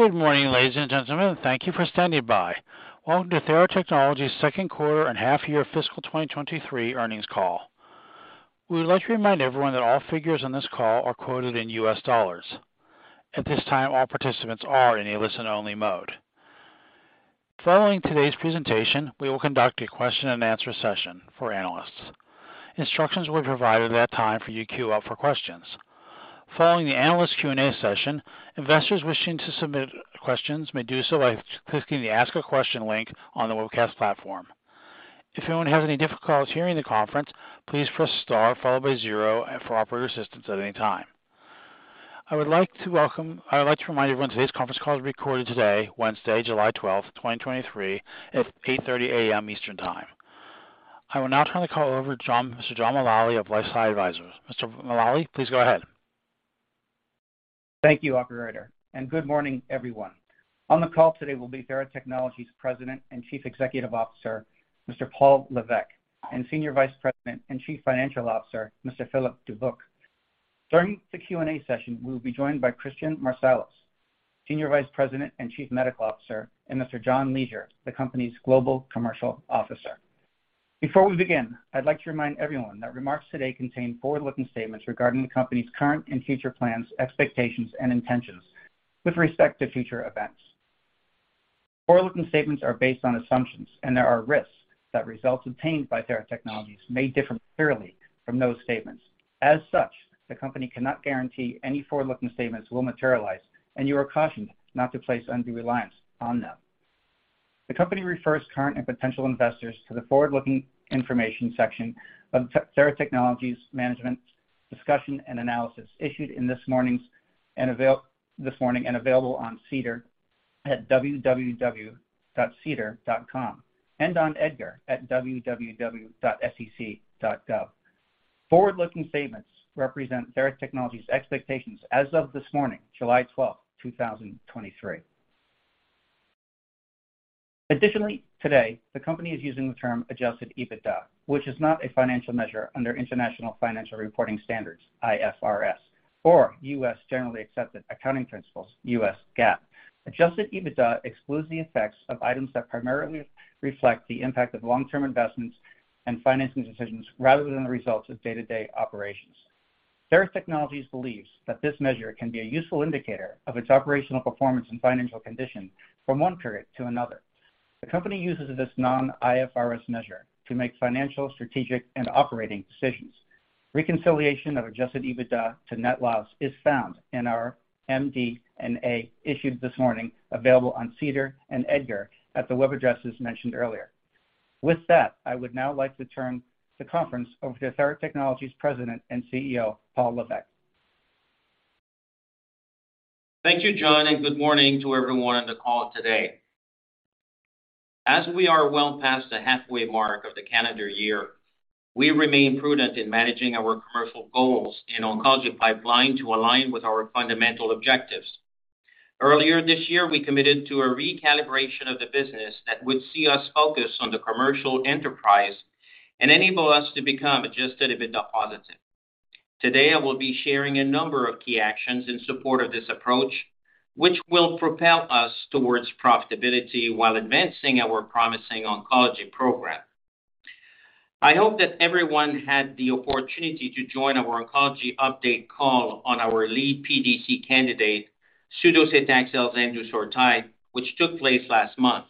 Good morning, ladies and gentlemen. Thank you for standing by. Welcome to Theratechnologies' Second Quarter and Half Year Fiscal 2023 Earnings Call. We would like to remind everyone that all figures on this call are quoted in USD. At this time, all participants are in a listen-only mode. Following today's presentation, we will conduct a question and answer session for analysts. Instructions will be provided at that time for you to queue up for questions. Following the analyst Q&A session, investors wishing to submit questions may do so by clicking the Ask a Question link on the webcast platform. If anyone has any difficulties hearing the conference, please press star followed by zero for operator assistance at any time. I would like to remind everyone, today's conference call is recorded today, Wednesday, July 12th, 2023 at 8:30 A.M. Eastern Time. I will now turn the call over to Mr. John Mullaly of LifeSci Advisors. Mr. Mullaly, please go ahead. Thank you, operator, and good morning, everyone. On the call today will be Theratechnologies' President and Chief Executive Officer, Mr. Paul Lévesque, and Senior Vice President and Chief Financial Officer, Mr. Philippe Dubuc. During the Q&A session, we will be joined by Christian Marsolais, Senior Vice President and Chief Medical Officer, and Mr. John Leasure, the company's Global Commercial Officer. Before we begin, I'd like to remind everyone that remarks today contain forward-looking statements regarding the company's current and future plans, expectations, and intentions with respect to future events. Forward-looking statements are based on assumptions, and there are risks that results obtained by Theratechnologies may differ materially from those statements. As such, the company cannot guarantee any forward-looking statements will materialize, and you are cautioned not to place undue reliance on them. The company refers current and potential investors to the forward-looking information section of Theratechnologies Management's Discussion and Analysis, issued this morning and available on SEDAR at www.sedar.com and on EDGAR at www.sec.gov. Forward-looking statements represent Theratechnologies' expectations as of this morning, July 12, 2023. Additionally, today, the company is using the term adjusted EBITDA, which is not a financial measure under international financial reporting standards, IFRS, or U.S. Generally accepted accounting principles, U.S. GAAP. Adjusted EBITDA excludes the effects of items that primarily reflect the impact of long-term investments and financing decisions, rather than the results of day-to-day operations. Theratechnologies believes that this measure can be a useful indicator of its operational performance and financial condition from one period to another. The company uses this non-IFRS measure to make financial, strategic, and operating decisions. Reconciliation of adjusted EBITDA to net loss is found in our MD&A, issued this morning, available on at the web addresses mentioned earlier. With that, I would now like to turn the conference over to Theratechnologies' President and CEO, Paul Lévesque. Thank you, John, and good morning to everyone on the call today. As we are well past the halfway mark of the calendar year, we remain prudent in managing our commercial goals and oncology pipeline to align with our fundamental objectives. Earlier this year, we committed to a recalibration of the business that would see us focus on the commercial enterprise and enable us to become adjusted EBITDA positive. Today, I will be sharing a number of key actions in support of this approach, which will propel us towards profitability while advancing our promising oncology program. I hope that everyone had the opportunity to join our oncology update call on our lead PDC candidate, sudocetaxel zendusortide, which took place last month.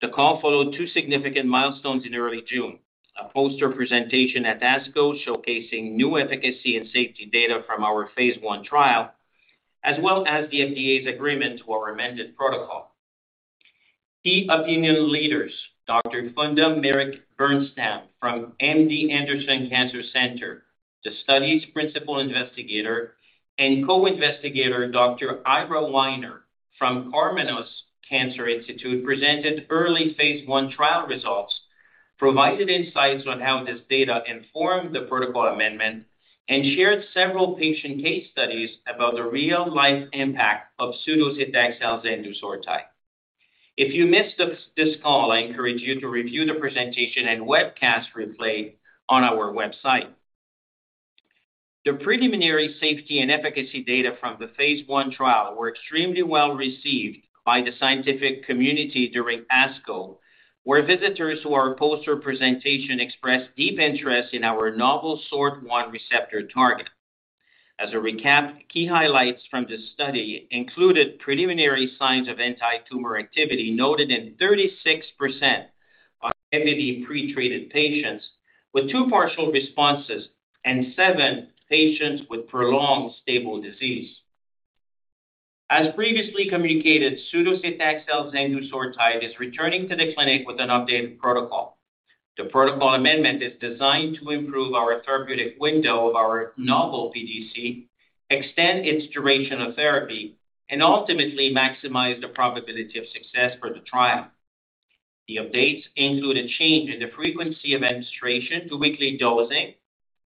The call followed two significant milestones in early June, a poster presentation at ASCO, showcasing new efficacy and safety data from our phase I trial, as well as the FDA's agreement to our amended protocol. Key opinion leaders, Dr. Funda Meric-Bernstam from MD Anderson Cancer Center, the study's principal investigator, and co-investigator, Dr. Ira Winer from Karmanos Cancer Institute, presented early phase I trial results, provided insights on how this data informed the protocol amendment, and shared several patient case studies about the real-life impact of sudocetaxel zendusortide. If you missed this call, I encourage you to review the presentation and webcast replay on our website. The preliminary safety and efficacy data from the phase I trial were extremely well-received by the scientific community during ASCO, where visitors to our poster presentation expressed deep interest in our novel SORT1 receptor target. As a recap, key highlights from this study included preliminary signs of antitumor activity noted in 36% of heavily pre-treated patients, with two partial responses and seven patients with prolonged stable disease. As previously communicated, sudocetaxel zendusortide is returning to the clinic with an updated protocol. The protocol amendment is designed to improve our therapeutic window of our novel PDC, extend its duration of therapy, and ultimately maximize the probability of success for the trial. The updates include a change in the frequency of administration to weekly dosing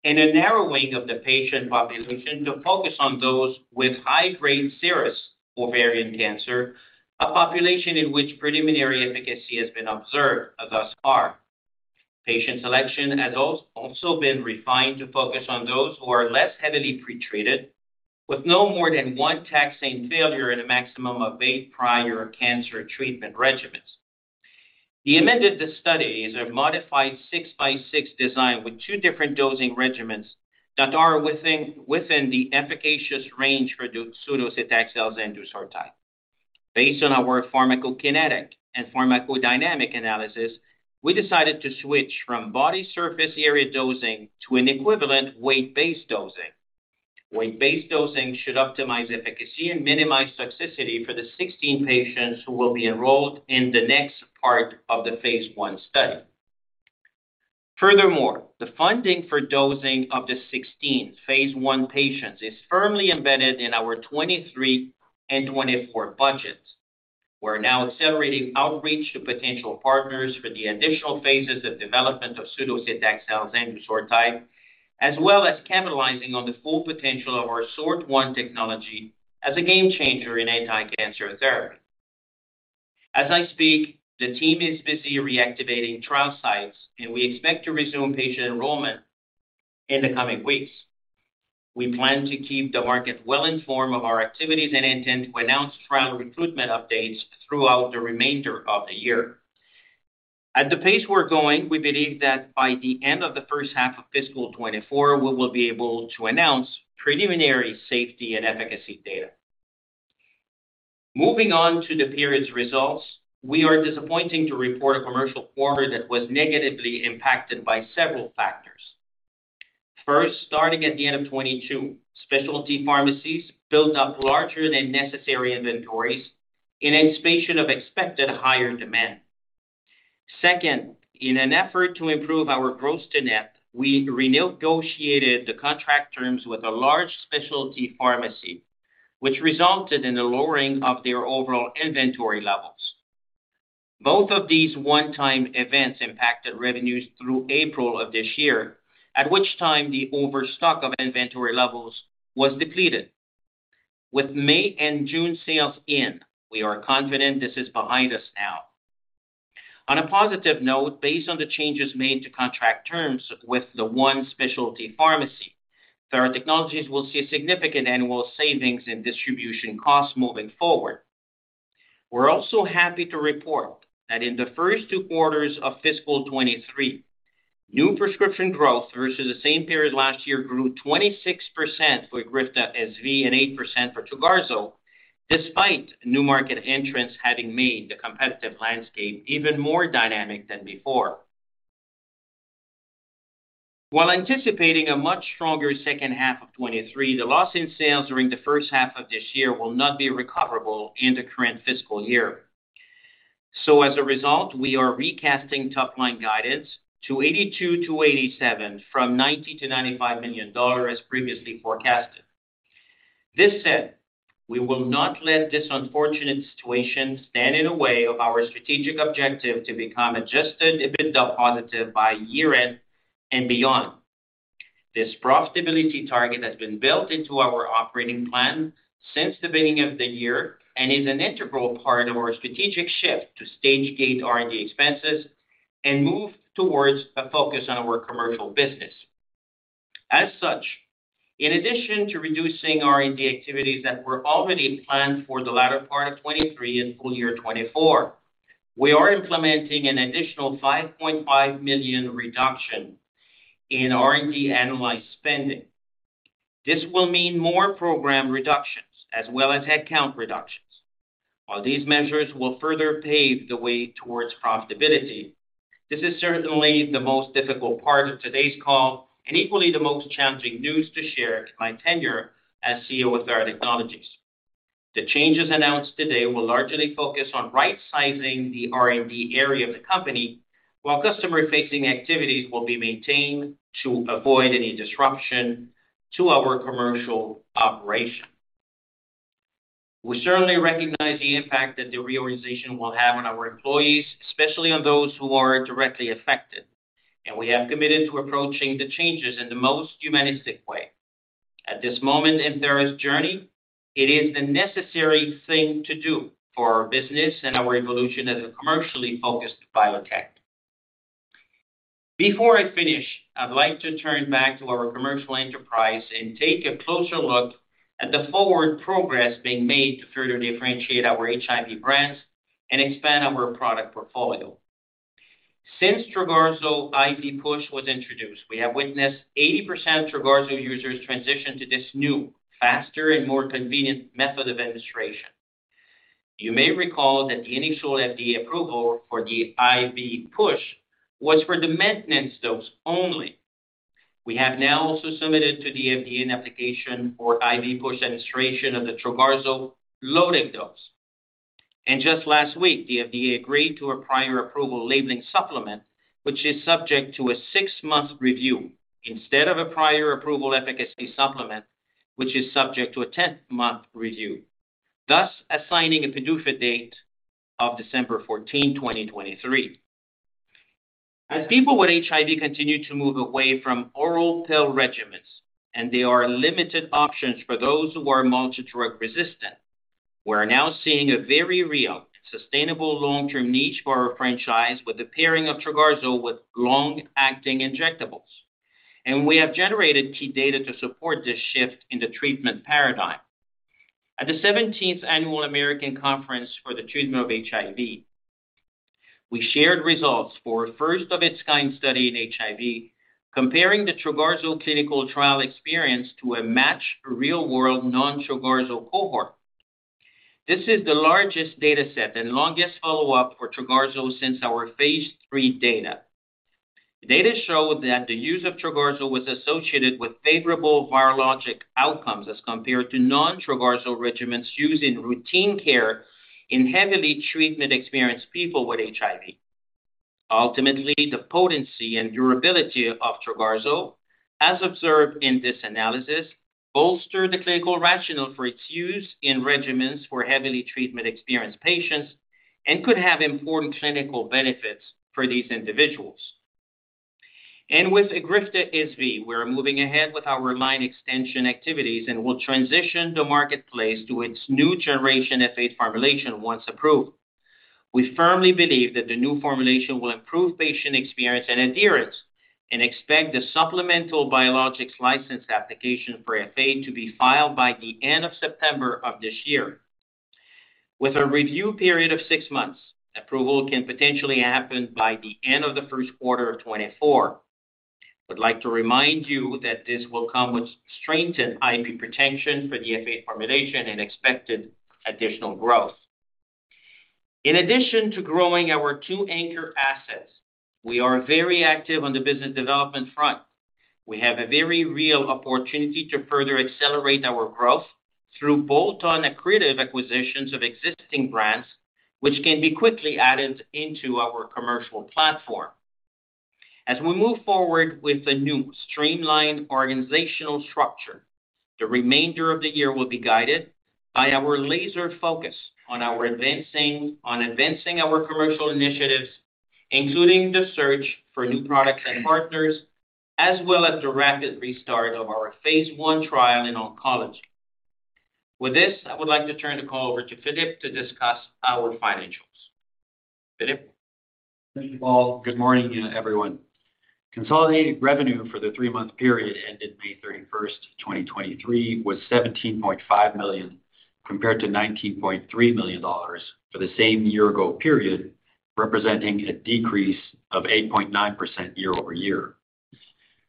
and a narrowing of the patient population to focus on those with high-grade serous ovarian cancer, a population in which preliminary efficacy has been observed thus far. Patient selection has also been refined to focus on those who are less heavily pretreated, with no more than one taxane failure and a maximum of eight prior cancer treatment regimens. The amended study is a modified 6+6 design with two different dosing regimens that are within the efficacious range for the sudocetaxel zendusortide. Based on our pharmacokinetic and pharmacodynamic analysis, we decided to switch from body surface area dosing to an equivalent weight-based dosing. Weight-based dosing should optimize efficacy and minimize toxicity for the 16 patients who will be enrolled in the next part of the phase I study. The funding for dosing of the 16 phase I patients is firmly embedded in our 2023 and 2024 budgets. We're now accelerating outreach to potential partners for the additional phases of development of sudocetaxel zendusortide, as well as capitalizing on the full potential of our SORT1 technology as a game changer in anti-cancer therapy. As I speak, the team is busy reactivating trial sites, and we expect to resume patient enrollment in the coming weeks. We plan to keep the market well informed of our activities and intend to announce trial recruitment updates throughout the remainder of the year. At the pace we're going, we believe that by the end of the first half of fiscal 2024, we will be able to announce preliminary safety and efficacy data. Moving on to the period's results, we are disappointing to report a commercial quarter that was negatively impacted by several factors. First, starting at the end of 2022, specialty pharmacies built up larger than necessary inventories in anticipation of expected higher demand. Second, in an effort to improve our gross-to-net, we renegotiated the contract terms with a large specialty pharmacy, which resulted in the lowering of their overall inventory levels. Both of these one-time events impacted revenues through April of this year, at which time the overstock of inventory levels was depleted. With May and June sales in, we are confident this is behind us now. On a positive note, based on the changes made to contract terms with the one specialty pharmacy, Theratechnologies will see a significant annual savings in distribution costs moving forward. We're also happy to report that in the first two quarters of fiscal 2023, new prescription growth versus the same period last year grew 26% for EGRIFTA SV and 8% for TROGARZO, despite new market entrants having made the competitive landscape even more dynamic than before. While anticipating a much stronger second half of 2023, the loss in sales during the first half of this year will not be recoverable in the current fiscal year. As a result, we are recasting top-line guidance to $82 million-$87 million from $90 million-$95 million as previously forecasted. This said, we will not let this unfortunate situation stand in the way of our strategic objective to become adjusted EBITDA positive by year-end and beyond. This profitability target has been built into our operating plan since the beginning of the year and is an integral part of our strategic shift to stage-gate R&D expenses and move towards a focus on our commercial business. As such, in addition to reducing R&D activities that were already planned for the latter part of 2023 and full year 2024, we are implementing an additional $5.5 million reduction in R&D annualized spending. This will mean more program reductions as well as headcount reductions. While these measures will further pave the way towards profitability, this is certainly the most difficult part of today's call and equally the most challenging news to share in my tenure as CEO of Theratechnologies. The changes announced today will largely focus on right-sizing the R&D area of the company, while customer-facing activities will be maintained to avoid any disruption to our commercial operations. We certainly recognize the impact that the reorganization will have on our employees, especially on those who are directly affected, and we have committed to approaching the changes in the most humanistic way. At this moment in Theratechnologies' journey, it is the necessary thing to do for our business and our evolution as a commercially focused biotech. Before I finish, I'd like to turn back to our commercial enterprise and take a closer look at the forward progress being made to further differentiate our HIV brands and expand our product portfolio. Since TROGARZO IV push was introduced, we have witnessed 80% TROGARZO users transition to this new, faster, and more convenient method of administration. You may recall that the initial FDA approval for the IV push was for the maintenance dose only. We have now also submitted to the FDA an application for IV push administration of the TROGARZO loading dose. Just last week, the FDA agreed to a prior approval labeling supplement, which is subject to a 6-month review, instead of a prior approval efficacy supplement, which is subject to a 10-month review, thus assigning a PDUFA date of December 14th, 2023. As people with HIV continue to move away from oral pill regimens, and there are limited options for those who are multidrug resistant. We are now seeing a very real, sustainable long-term niche for our franchise with the pairing of TROGARZO with long-acting injectables, and we have generated key data to support this shift in the treatment paradigm. At the 17th Annual American Conference for the Treatment of HIV, we shared results for a first-of-its-kind study in HIV, comparing the TROGARZO clinical trial experience to a matched real-world non-TROGARZO cohort. This is the largest data set and longest follow-up for TROGARZO since our phase III data. The data show that the use of TROGARZO was associated with favorable virologic outcomes as compared to non-TROGARZO regimens used in routine care in heavily treatment-experienced people with HIV. Ultimately, the potency and durability of TROGARZO, as observed in this analysis, bolster the clinical rationale for its use in regimens for heavily treatment-experienced patients and could have important clinical benefits for these individuals. With EGRIFTA SV, we're moving ahead with our remind extension activities and will transition the marketplace to its new generation F8 formulation once approved. We firmly believe that the new formulation will improve patient experience and adherence and expect the supplemental Biologics License Application for F8 to be filed by the end of September of this year. With a review period of six months, approval can potentially happen by the end of the first quarter of 2024. I'd like to remind you that this will come with strengthened IP protection for the F8 formulation and expected additional growth. In addition to growing our two anchor assets, we are very active on the business development front. We have a very real opportunity to further accelerate our growth through bolt-on accretive acquisitions of existing brands, which can be quickly added into our commercial platform. As we move forward with the new streamlined organizational structure, the remainder of the year will be guided by our laser focus on advancing our commercial initiatives, including the search for new products and partners, as well as the rapid restart of our phase I trial in oncology. I would like to turn the call over to Philippe to discuss our financials. Philippe? Thank you, Paul. Good morning, everyone. Consolidated revenue for the three-month period ended May 31, 2023, was $17.5 million, compared to $19.3 million for the same year-ago period, representing a decrease of 8.9% year-over-year.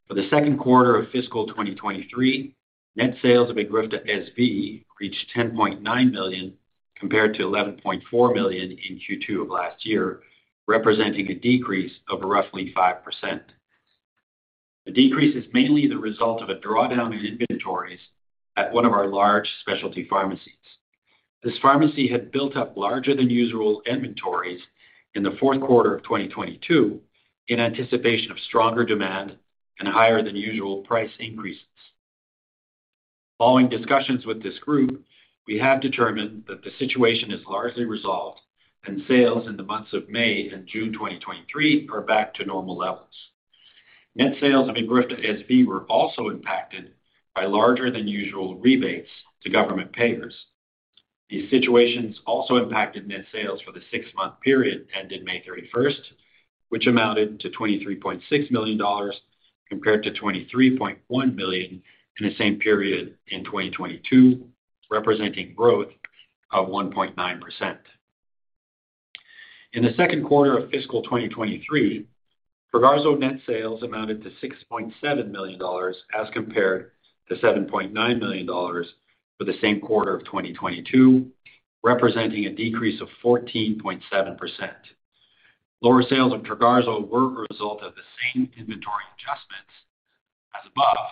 For the second quarter of fiscal 2023, net sales of EGRIFTA SV reached $10.9 million, compared to $11.4 million in Q2 of last year, representing a decrease of roughly 5%. The decrease is mainly the result of a drawdown in inventories at one of our large specialty pharmacies. This pharmacy had built up larger-than-usual inventories in the fourth quarter of 2022 in anticipation of stronger demand and higher-than-usual price increases. Following discussions with this group, we have determined that the situation is largely resolved and sales in the months of May and June 2023 are back to normal levels. Net sales of EGRIFTA SV were also impacted by larger-than-usual rebates to government payers. These situations also impacted net sales for the six-month period ended May 31st, which amounted to $23.6 million, compared to $23.1 million in the same period in 2022, representing growth of 1.9%. In the second quarter of fiscal 2023, TROGARZO net sales amounted to $6.7 million, as compared to $7.9 million for the same quarter of 2022, representing a decrease of 14.7%. Lower sales of TROGARZO were a result of the same inventory adjustments as above,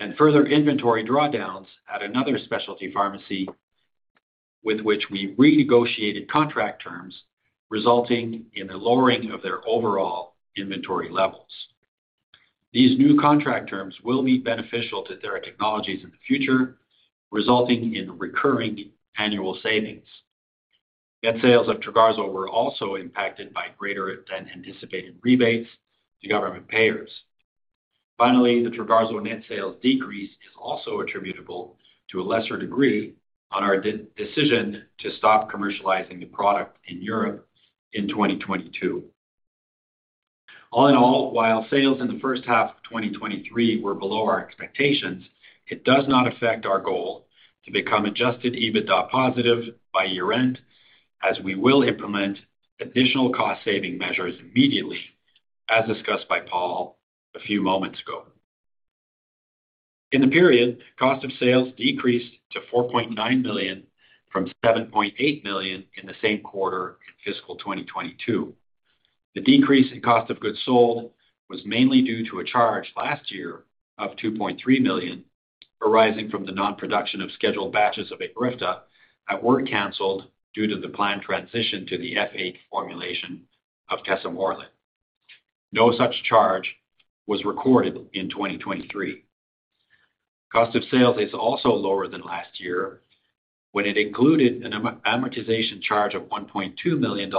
and further inventory drawdowns at another specialty pharmacy with which we renegotiated contract terms, resulting in a lowering of their overall inventory levels. These new contract terms will be beneficial to Theratechnologies in the future, resulting in recurring annual savings. Net sales of TROGARZO were also impacted by greater-than-anticipated rebates to government payers. The TROGARZO net sales decrease is also attributable to a lesser degree on our decision to stop commercializing the product in Europe in 2022. While sales in the first half of 2023 were below our expectations, it does not affect our goal to become adjusted EBITDA positive by year-end, as we will implement additional cost-saving measures immediately, as discussed by Paul a few moments ago. Cost of sales decreased to $4.9 million from $7.8 million in the same quarter in fiscal 2022. The decrease in cost of goods sold was mainly due to a charge last year of $2.3 million, arising from the non-production of scheduled batches of EGRIFTA that were canceled due to the planned transition to the F8 formulation of tesamorelin. No such charge was recorded in 2023. Cost of sales is also lower than last year, when it included an amortization charge of $1.2 million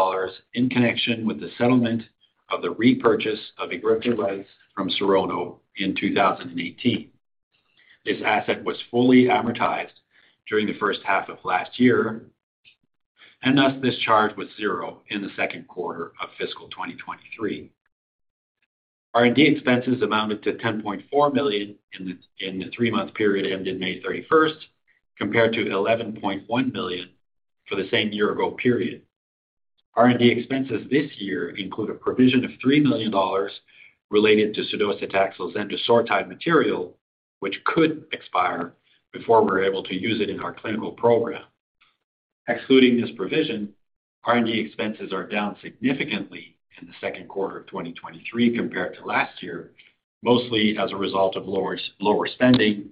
in connection with the repurchase of EGRIFTA rights from Serono in 2018. This asset was fully amortized during the first half of last year, and thus this charge was zero in the second quarter of fiscal 2023. R&D expenses amounted to $10.4 million in the three-month period ended May thirty-first, compared to $11.1 million for the same year-ago period. R&D expenses this year include a provision of $3 million related to sudocetaxel zendusortide material, which could expire before we're able to use it in our clinical program. Excluding this provision, R&D expenses are down significantly in the second quarter of 2023 compared to last year, mostly as a result of lower spending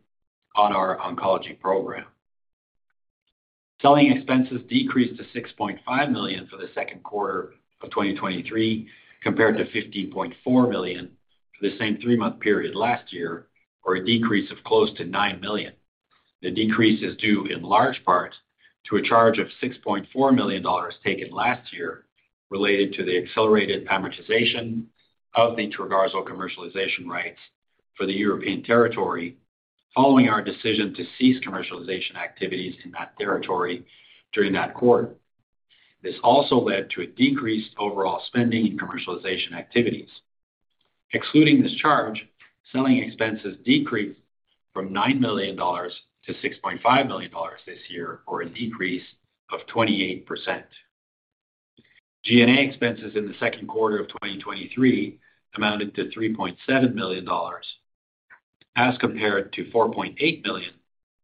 on our oncology program. Selling expenses decreased to $6.5 million for the second quarter of 2023, compared to $15.4 million for the same three-month period last year, or a decrease of close to $9 million. The decrease is due in large part to a charge of $6.4 million taken last year, related to the accelerated amortization of the TROGARZO commercialization rights for the European territory, following our decision to cease commercialization activities in that territory during that quarter. This also led to a decreased overall spending in commercialization activities. Excluding this charge, selling expenses decreased from $9 million to $6.5 million this year, or a decrease of 28%. G&A expenses in the second quarter of 2023 amounted to $3.7 million, as compared to $4.8 million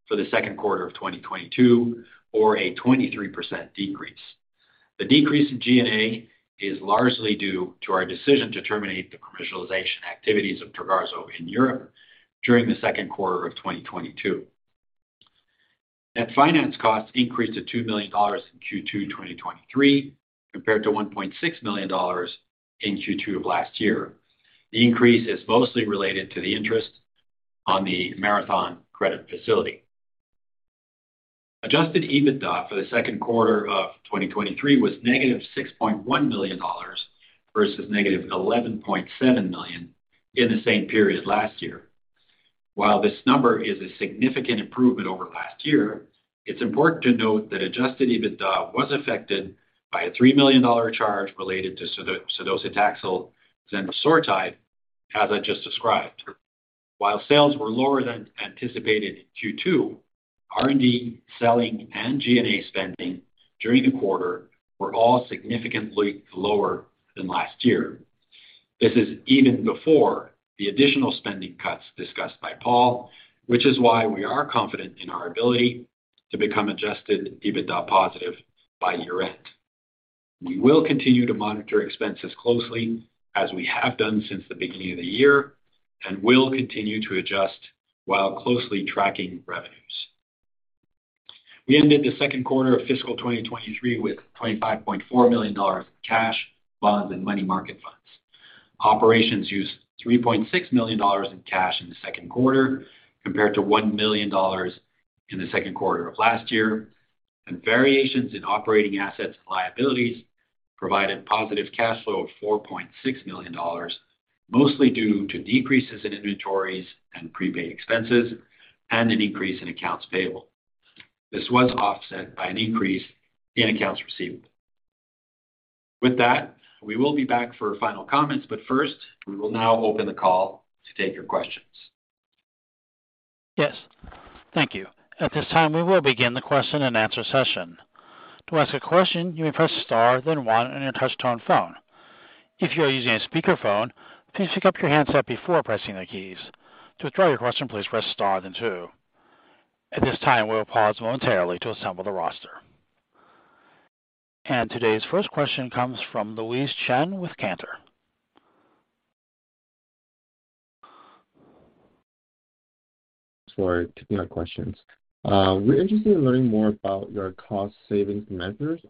for the second quarter of 2022, or a 23% decrease. The decrease in G&A is largely due to our decision to terminate the commercialization activities of TROGARZO in Europe during the second quarter of 2022. Net finance costs increased to $2 million in Q2 2023, compared to $1.6 million in Q2 of last year. The increase is mostly related to the interest on the Marathon credit facility. Adjusted EBITDA for the second quarter of 2023 was negative $6.1 million versus negative $11.7 million in the same period last year. While this number is a significant improvement over last year, it's important to note that Adjusted EBITDA was affected by a $3 million charge related to sudocetaxel zendusortide, as I just described. While sales were lower than anticipated in Q2, R&D, selling, and G&A spending during the quarter were all significantly lower than last year. This is even before the additional spending cuts discussed by Paul, which is why we are confident in our ability to become Adjusted EBITDA positive by year-end. We will continue to monitor expenses closely, as we have done since the beginning of the year, and will continue to adjust while closely tracking revenues. We ended the second quarter of fiscal 2023 with $25.4 million in cash, bonds, and money market funds. Operations used $3.6 million in cash in the second quarter, compared to $1 million in the second quarter of last year. Variations in operating assets and liabilities provided positive cash flow of $4.6 million, mostly due to decreases in inventories and prepaid expenses and an increase in accounts payable. This was offset by an increase in accounts receivable. With that, we will be back for final comments, but first, we will now open the call to take your questions. Yes, thank you. At this time, we will begin the question-and-answer session. To ask a question, you may press star, then one on your touchtone phone. If you are using a speakerphone, please pick up your handset before pressing the keys. To withdraw your question, please press star then two. At this time, we will pause momentarily to assemble the roster. Today's first question comes from Louise Chen with Cantor. Sorry, taking our questions. We're interested in learning more about your cost savings measures.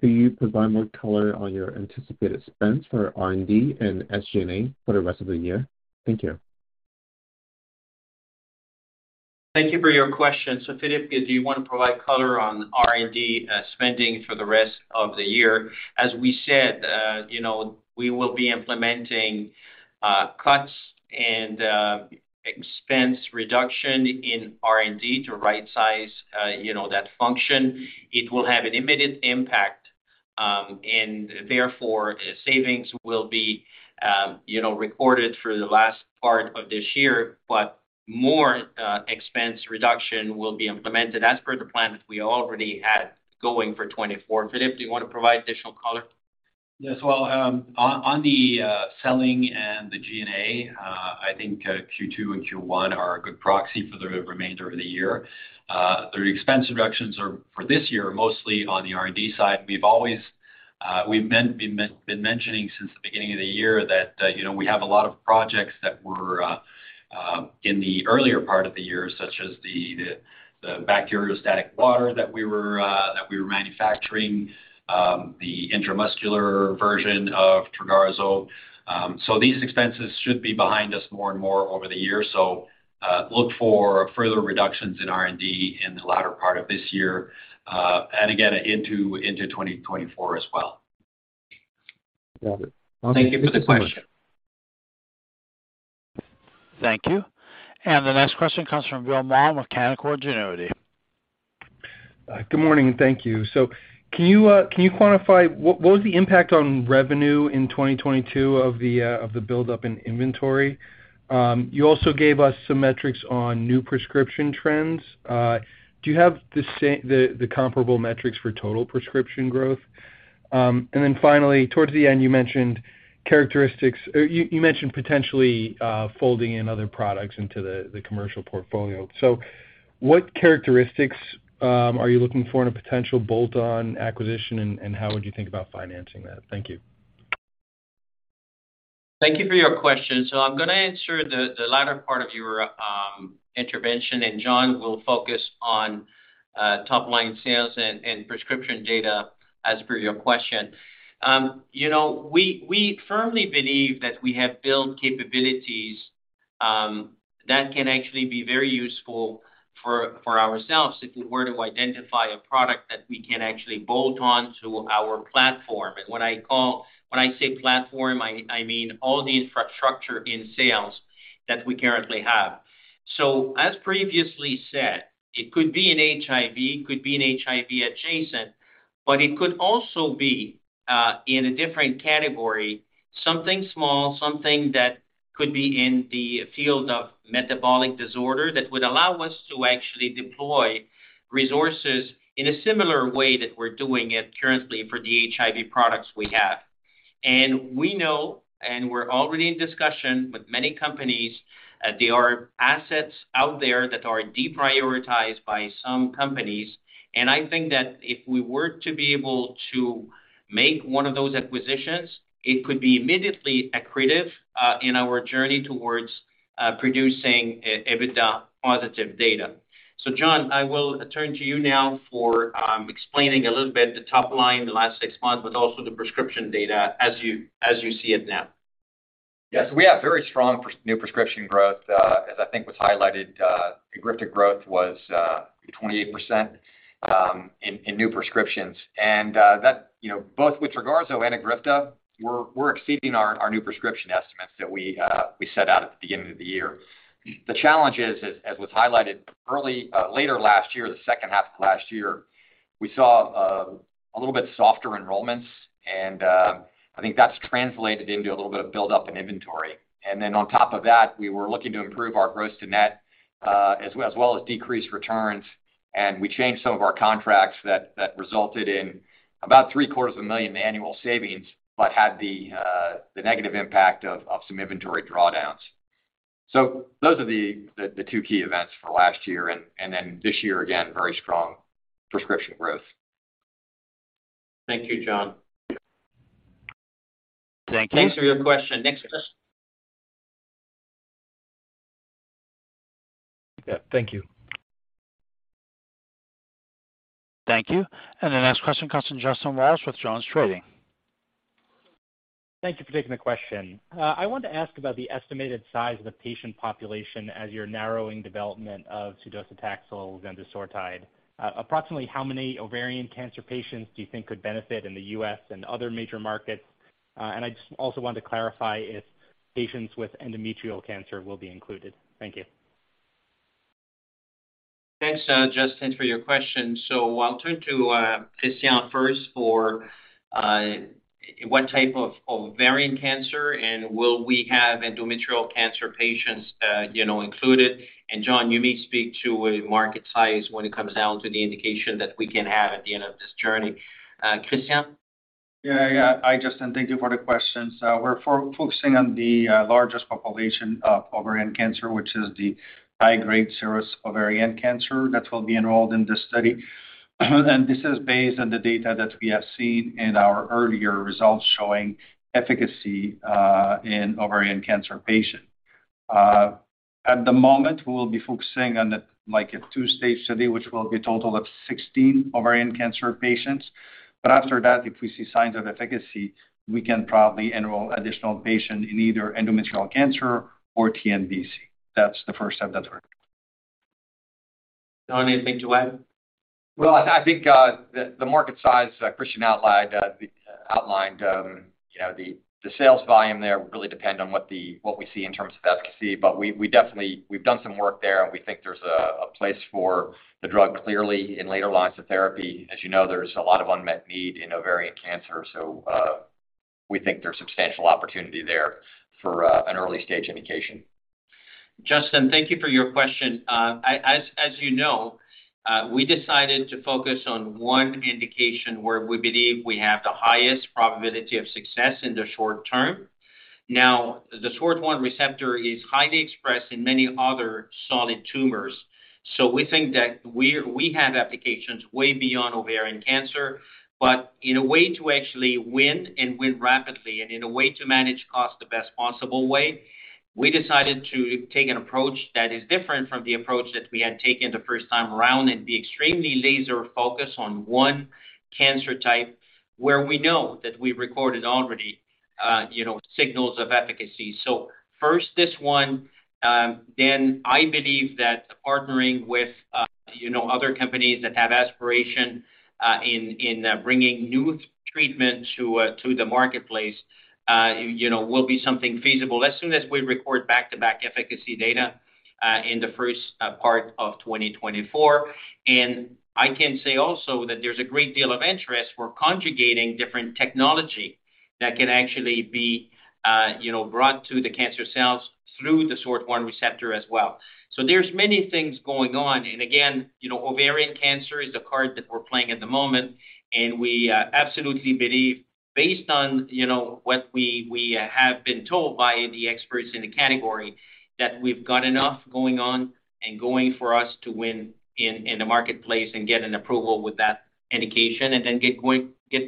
Can you provide more color on your anticipated spends for R&D and SG&A for the rest of the year? Thank you. Thank you for your question. Philippe, do you want to provide color on R&D spending for the rest of the year? As we said, you know, we will be implementing cuts and expense reduction in R&D to rightsize, you know, that function. It will have an immediate impact, and therefore, savings will be, you know, recorded for the last part of this year, but more expense reduction will be implemented as per the plan that we already had going for 2024. Philippe, do you want to provide additional color? Yes. Well, on the selling and the G&A, I think Q2 and Q1 are a good proxy for the remainder of the year. The expense reductions are, for this year, mostly on the R&D side. We've always been mentioning since the beginning of the year that, you know, we have a lot of projects that were in the earlier part of the year, such as the bacteriostatic water that we were manufacturing, the intramuscular version of TROGARZO. These expenses should be behind us more and more over the year. Look for further reductions in R&D in the latter part of this year, and again, into 2024 as well. Got it. Thank you for the question. Thank you. The next question comes from Bill Maughan with Canaccord Genuity. Good morning, and thank you. Can you, can you quantify what was the impact on revenue in 2022 of the buildup in inventory? You also gave us some metrics on new prescription trends. Do you have the same comparable metrics for total prescription growth? Then finally, towards the end, you mentioned characteristics, you mentioned potentially folding in other products into the commercial portfolio. What characteristics, are you looking for in a potential bolt-on acquisition, and how would you think about financing that? Thank you. Thank you for your question. I'm gonna answer the latter part of your intervention, and John will focus on top-line sales and prescription data as per your question. You know, we firmly believe that we have built capabilities that can actually be very useful for ourselves if we were to identify a product that we can actually bolt on to our platform. What I call, when I say platform, I mean all the infrastructure in sales that we currently have. As previously said, it could be in HIV, could be in HIV adjacent, but it could also be in a different category, something small, something that could be in the field of metabolic disorder, that would allow us to actually deploy resources in a similar way that we're doing it currently for the HIV products we have. We know, and we're already in discussion with many companies, that there are assets out there that are deprioritized by some companies. I think that if we were to be able to make one of those acquisitions, it could be immediately accretive in our journey towards producing EBITDA-positive data. John, I will turn to you now for explaining a little bit the top line, the last six months, but also the prescription data as you see it now. Yes, we have very strong new prescription growth, as I think was highlighted, EGRIFTA growth was 28% in new prescriptions. That, you know, both with TROGARZO and EGRIFTA, we're exceeding our new prescription estimates that we set out at the beginning of the year. The challenge is, as was highlighted early, later last year, the second half of last year, we saw a little bit softer enrollments, and I think that's translated into a little bit of buildup in inventory. Then on top of that, we were looking to improve our gross-to-net, as well as decrease returns, and we changed some of our contracts that resulted in about three-quarters of a million annual savings, but had the negative impact of some inventory drawdowns. Those are the two key events for last year, and then this year, again, very strong prescription growth. Thank you, John. Thank you. Thanks for your question. Next question? Yeah. Thank you. Thank you. The next question comes from Justin Walsh with Jones Trading. Thank you for taking the question. I wanted to ask about the estimated size of the patient population as you're narrowing development of sudocetaxel zendusortide. Approximately how many ovarian cancer patients do you think could benefit in the US and other major markets? I just also wanted to clarify if patients with endometrial cancer will be included. Thank you. Thanks, Justin, for your question. I'll turn to Christian first for what type of ovarian cancer, and will we have endometrial cancer patients, you know, included? John, you may speak to a market size when it comes down to the indication that we can have at the end of this journey. Christian? Yeah. Hi, Justin, thank you for the question. We're focusing on the largest population of ovarian cancer, which is the high-grade serous ovarian cancer that will be enrolled in this study. This is based on the data that we have seen in our earlier results showing efficacy in ovarian cancer patient. At the moment, we will be focusing on the, like, a two-stage study, which will be a total of 16 ovarian cancer patients. After that, if we see signs of efficacy, we can probably enroll additional patient in either endometrial cancer or TNBC. That's the first step that's worked. John, anything to add? Well, I think, the market size Christian outlined, you know, the sales volume there really depend on what we see in terms of efficacy, but we definitely, we've done some work there, and we think there's a place for the drug clearly in later lines of therapy. As you know, there's a lot of unmet need in ovarian cancer, we think there's substantial opportunity there for an early-stage indication. Justin, thank you for your question. As you know, we decided to focus on one indication where we believe we have the highest probability of success in the short term. The SORT1 receptor is highly expressed in many other solid tumors, so we think that we have applications way beyond ovarian cancer. In a way to actually win and win rapidly, and in a way to manage cost the best possible way, we decided to take an approach that is different from the approach that we had taken the first time around, and be extremely laser-focused on one cancer type, where we know that we recorded already, you know, signals of efficacy. First, this one, then I believe that partnering with, you know, other companies that have aspiration, in, bringing new treatment to the marketplace, you know, will be something feasible as soon as we record back-to-back efficacy data, in the first, part of 2024. I can say also that there's a great deal of interest for conjugating different technology that can actually be, you know, brought to the cancer cells through the SORT1 receptor as well. There's many things going on. Again, you know, ovarian cancer is a card that we're playing at the moment, and we absolutely believe, based on, you know, what we have been told by the experts in the category, that we've got enough going on and going for us to win in the marketplace and get an approval with that indication, then get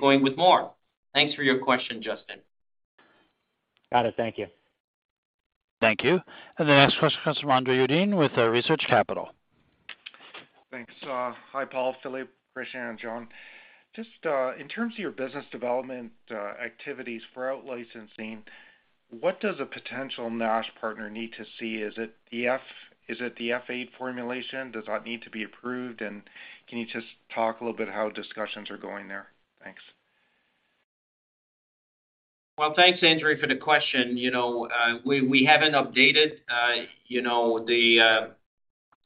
going with more. Thanks for your question, Justin. Got it. Thank you. Thank you. The next question comes from Andre Uddin with Research Capital Corporation. Thanks. Hi, Paul, Philippe, Christian, and John. Just in terms of your business development activities for out-licensing, what does a potential NASH partner need to see? Is it the F8 formulation? Does that need to be approved? Can you just talk a little bit how discussions are going there? Thanks. Well, thanks, Andre, for the question. We haven't updated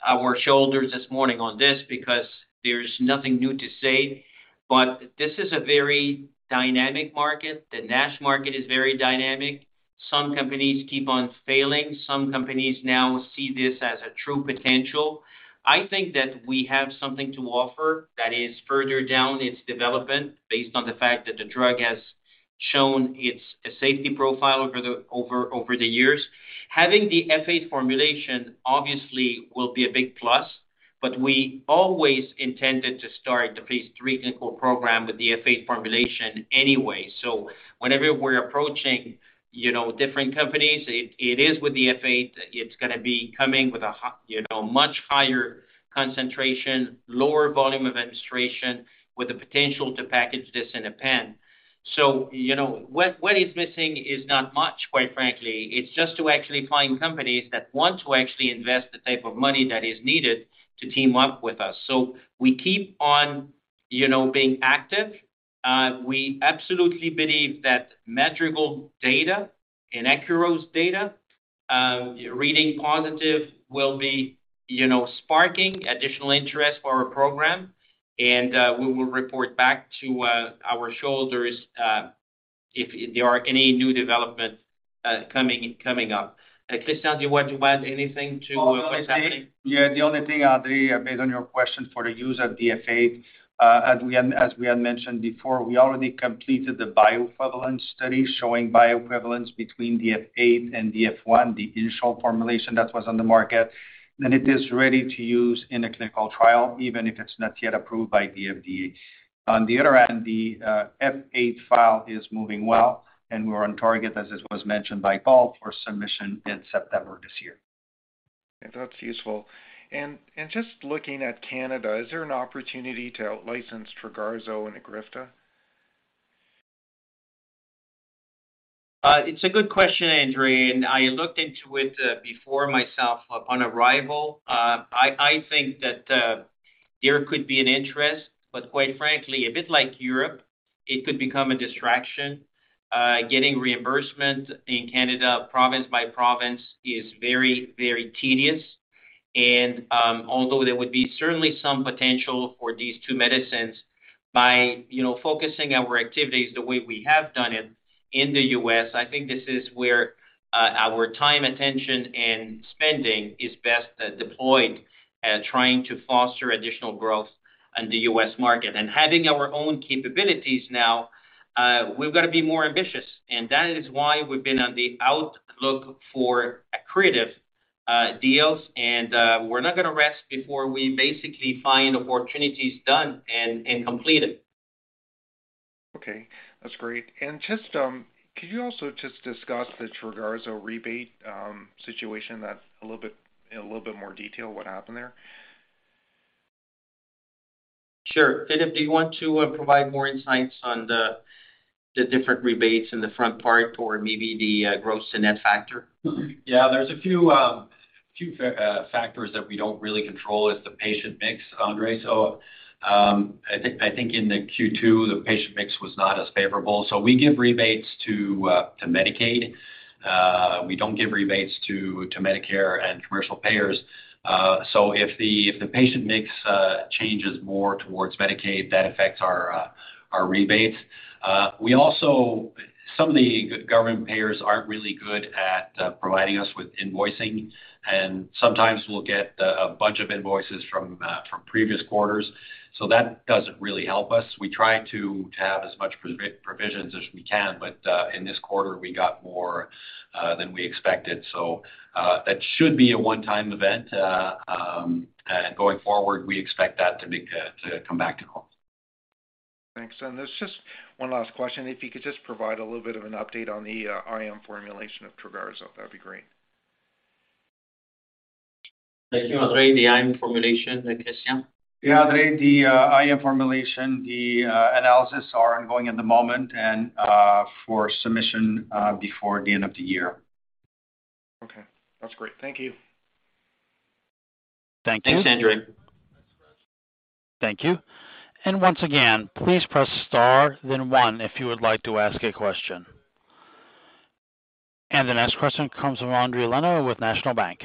our shoulders this morning on this because there's nothing new to say, but this is a very dynamic market. The NASH market is very dynamic. Some companies keep on failing. Some companies now see this as a true potential. I think that we have something to offer that is further down its development based on the fact that the drug has shown its safety profile over the years. Having the F8 formulation obviously will be a big plus, but we always intended to start the phase III clinical program with the F8 formulation anyway. Whenever we're approaching, you know, different companies, it is with the F8, it's gonna be coming with a, you know, much higher concentration, lower volume of administration, with the potential to package this in a pen. You know, what is missing is not much, quite frankly. It's just to actually find companies that want to actually invest the type of money that is needed to team up with us. We keep on, you know, being active. We absolutely believe that Madrigal data and Akero data, reading positive will be, you know, sparking additional interest for our program, and we will report back to our shareholders, if there are any new developments, coming up. Christian, do you want to add anything to what I said? Yeah, the only thing, Andre, based on your question for the use of F8, as we had mentioned before, we already completed the bioequivalence study, showing bioequivalence between the F8 and the F1, the initial formulation that was on the market. It is ready to use in a clinical trial, even if it's not yet approved by the FDA. On the other end, the F8 file is moving well, and we're on target, as this was mentioned by Paul Lévesque, for submission in September this year. That's useful. Just looking at Canada, is there an opportunity to out-license TROGARZO and EGRIFTA? It's a good question, Andre, and I looked into it before myself upon arrival. I think that there could be an interest, but quite frankly, a bit like Europe, it could become a distraction. Getting reimbursement in Canada, province by province, is very, very tedious. Although there would be certainly some potential for these two medicines, by, you know, focusing our activities the way we have done it in the U.S., I think this is where our time, attention, and spending is best deployed at trying to foster additional growth in the U.S. market. Having our own capabilities now, we've got to be more ambitious, and that is why we've been on the outlook for accretive deals. We're not gonna rest before we basically find opportunities done and completed. Okay, that's great. Just, could you also just discuss the TROGARZO rebate, situation that a little bit, in a little bit more detail, what happened there? Sure. Philippe, do you want to provide more insights on the different rebates in the front part or maybe the gross-to-net factor? Yeah. There's a few factors that we don't really control is the patient mix, Andre. I think in the Q2, the patient mix was not as favorable. We give rebates to Medicaid. We don't give rebates to Medicare and commercial payers. If the patient mix changes more towards Medicaid, that affects our rebates. Some of the government payers aren't really good at providing us with invoicing, and sometimes we'll get a bunch of invoices from previous quarters, so that doesn't really help us. We try to have as much provisions as we can, but in this quarter, we got more than we expected. That should be a one-time event, and going forward, we expect that to be to come back to home. ... Thanks. There's just one last question. If you could just provide a little bit of an update on the IM formulation of TROGARZO, that'd be great. Thank you, Andre. The IM formulation, Christian? Andre, the IM formulation, the analysis are ongoing at the moment. For submission before the end of the year. Okay, that's great. Thank you. Thank you. Thanks, Andre. Thank you. Once again, please press star then one if you would like to ask a question. The next question comes from Endri Leno with National Bank.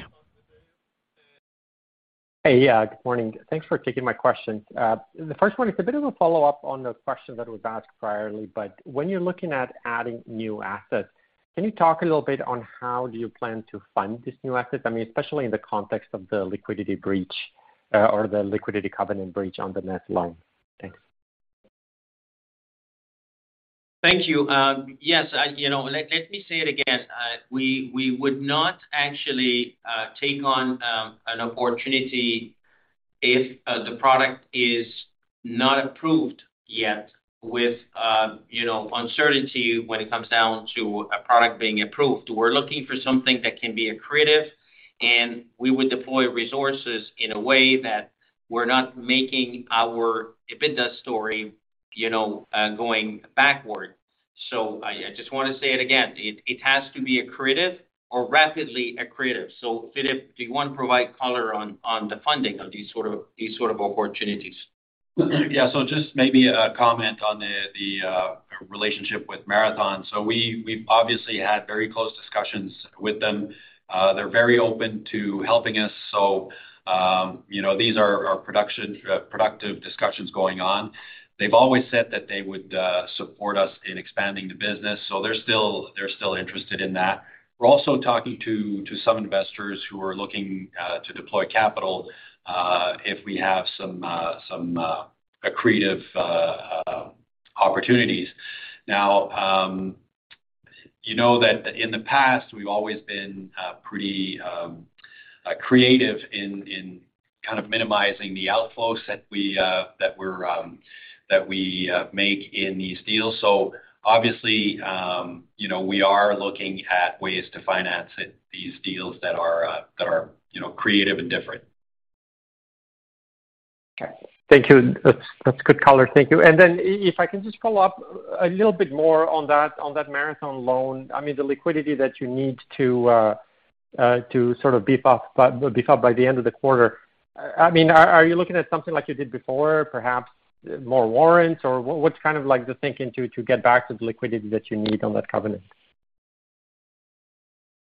Hey, yeah, good morning. Thanks for taking my question. The first one is a bit of a follow-up on the question that was asked priorly, but when you're looking at adding new assets, can you talk a little bit on how do you plan to fund these new assets? I mean, especially in the context of the liquidity breach, or the liquidity covenant breach on the net loan. Thanks. Thank you. Yes, I, you know, let me say it again. We would not actually take on an opportunity if the product is not approved yet with, you know, uncertainty when it comes down to a product being approved. We're looking for something that can be accretive, and we would deploy resources in a way that we're not making our EBITDA story, you know, going backward. I just want to say it again, it has to be accretive or rapidly accretive. Philippe, do you want to provide color on the funding of these sort of opportunities? Just maybe a comment on the relationship with Marathon. We've obviously had very close discussions with them. They're very open to helping us. You know, these are production productive discussions going on. They've always said that they would support us in expanding the business, so they're still interested in that. We're also talking to some investors who are looking to deploy capital if we have some accretive opportunities. Now, you know that in the past we've always been pretty creative in kind of minimizing the outflows that we that we're that we make in these deals. obviously, you know, we are looking at ways to finance it, these deals that are, you know, creative and different. Okay. Thank you. That's good color. Thank you. Then if I can just follow up a little bit more on that, on that Marathon loan. I mean, the liquidity that you need to sort of beef up by the end of the quarter, I mean, are you looking at something like you did before, perhaps more warrants, or what's kind of like the thinking to get back to the liquidity that you need on that covenant?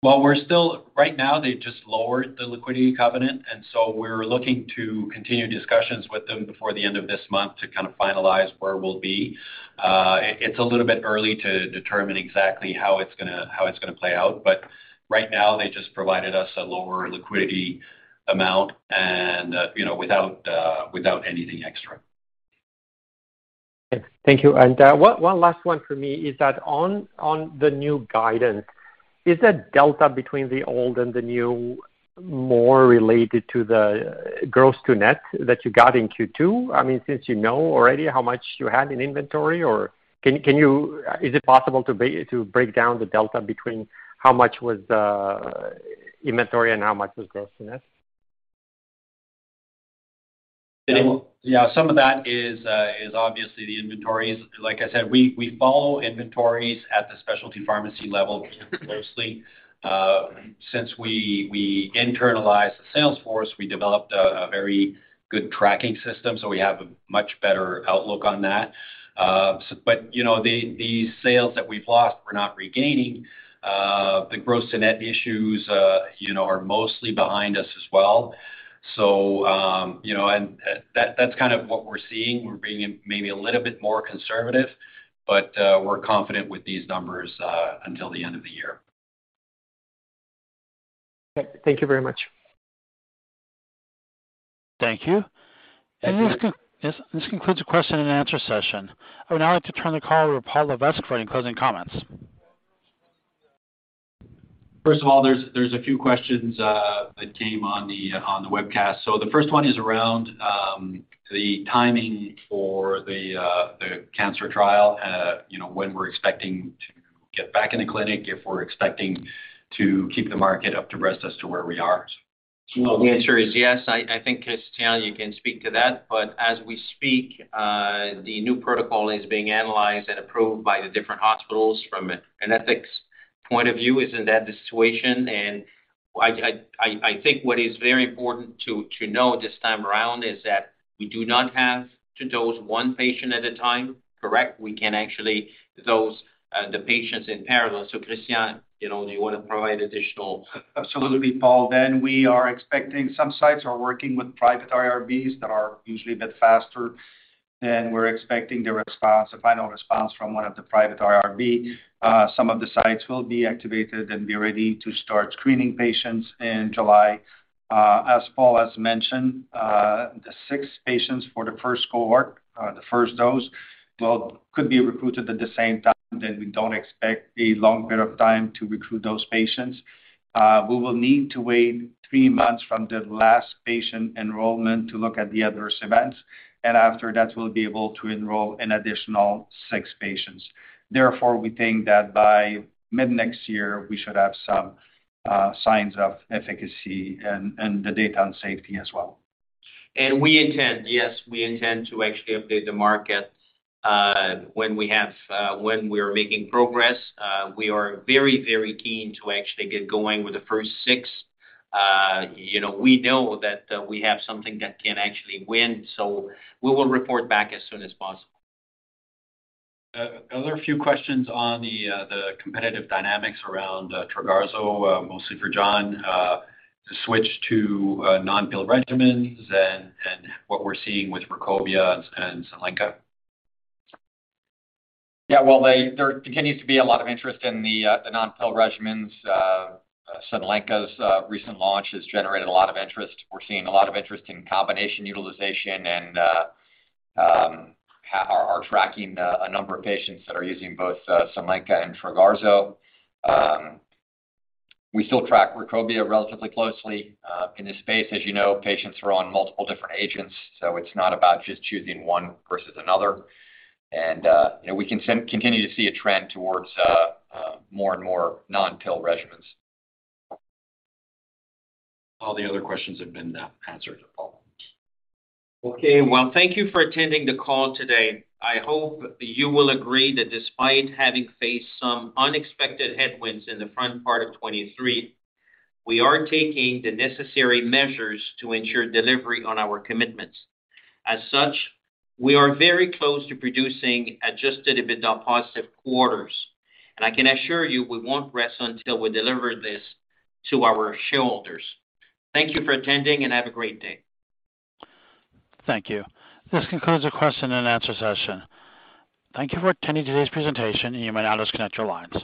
Well, we're still. Right now, they just lowered the liquidity covenant, and so we're looking to continue discussions with them before the end of this month to kind of finalize where we'll be. It's a little bit early to determine exactly how it's gonna, how it's gonna play out, but right now, they just provided us a lower liquidity amount and, you know, without anything extra. Okay. Thank you. One last one for me is that on the new guidance, is that delta between the old and the new more related to the gross-to-net that you got in Q2? I mean, since you know already how much you had in inventory or. Can you, is it possible to break down the delta between how much was inventory and how much was gross-to-net? Yeah, some of that is obviously the inventories. Like I said, we follow inventories at the specialty pharmacy level closely. Since we internalized the sales force, we developed a very good tracking system, so we have a much better outlook on that. But, you know, the sales that we've lost, we're not regaining. The gross-to-net issues, you know, are mostly behind us as well. You know, and that's kind of what we're seeing. We're being maybe a little bit more conservative, but we're confident with these numbers until the end of the year. Okay. Thank you very much. Thank you. This concludes the question-and-answer session. I would now like to turn the call over to Paul Lévesque for any closing comments. First of all, there's a few questions that came on the webcast. The first one is around the timing for the cancer trial, you know, when we're expecting to get back in the clinic, if we're expecting to keep the market up to rest as to where we are. Well, the answer is yes. I think, Christian, you can speak to that, but as we speak, the new protocol is being analyzed and approved by the different hospitals from an ethics point of view is in that situation. I think what is very important to know this time around is that we do not have to dose one patient at a time. Correct? We can actually dose the patients in parallel. Christian, you know, do you want to provide additional... Absolutely, Paul. We are expecting some sites are working with private IRBs that are usually a bit faster, and we're expecting the response, a final response from one of the private IRB. Some of the sites will be activated and be ready to start screening patients in July. As Paul has mentioned, the six patients for the first cohort, the first dose, well, could be recruited at the same time, that we don't expect a long period of time to recruit those patients. We will need to wait three months from the last patient enrollment to look at the adverse events, and after that, we'll be able to enroll an additional six patients. Therefore, we think that by mid-next year, we should have some signs of efficacy and the data on safety as well. We intend, yes, we intend to actually update the market when we are making progress. We are very keen to actually get going with the first six. You know, we know that we have something that can actually win, so we will report back as soon as possible. other few questions on the competitive dynamics around, TROGARZO, mostly for John. The switch to, non-pill regimens and what we're seeing with RUKOBIA and SUNLENCA. Well, there continues to be a lot of interest in the non-pill regimens. SUNLENCA's recent launch has generated a lot of interest. We're seeing a lot of interest in combination utilization and are tracking a number of patients that are using both SUNLENCA and TROGARZO. We still track RUKOBIA relatively closely. In this space, as you know, patients are on multiple different agents, so it's not about just choosing one versus another. You know, we can continue to see a trend towards more and more non-pill regimens. All the other questions have been answered, Paul. Okay. Well, thank you for attending the call today. I hope you will agree that despite having faced some unexpected headwinds in the front part of 2023, we are taking the necessary measures to ensure delivery on our commitments. As such, we are very close to producing adjusted EBITDA positive quarters. I can assure you, we won't rest until we deliver this to our shareholders. Thank you for attending. Have a great day. Thank you. This concludes the question-and-answer session. Thank you for attending today's presentation. You may now disconnect your lines.